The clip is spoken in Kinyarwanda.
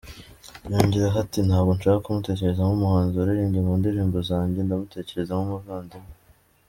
Yongeraho ati “Ntabwo nshaka kumutekereza nk’umuhanzi waririmbye mu ndirimbo zanjye, ndamutekereza nk’umuvandimwe.